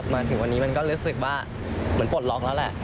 มาถึงวันนี้มันก็รู้สึกว่าเหมือนปลดล็อกแล้วแหละ